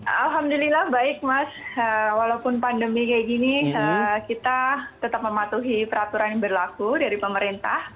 alhamdulillah baik mas walaupun pandemi kayak gini kita tetap mematuhi peraturan yang berlaku dari pemerintah